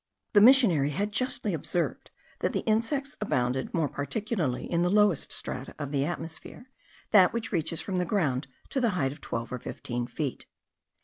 The missionary had justly observed, that the insects abounded more particularly in the lowest strata of the atmosphere, that which reaches from the ground to the height of twelve or fifteen feet.